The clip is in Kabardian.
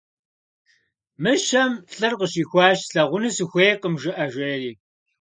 Мыщэм лӏыр къыщихуащ: - «Слъагъуну сыхуейкъым» жыӏэ, - жери.